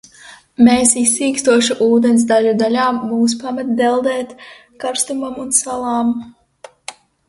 Mēs izsīkstoša ūdens daļu dalām, - Mūs pamet deldēt karstumam un salam.